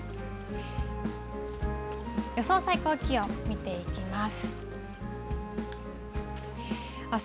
予想最高気温見ていきます。